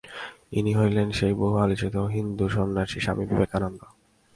ইনি হইলেন সেই বহু-আলোচিত হিন্দু সন্ন্যাসী স্বামী বিবে কানন্দ।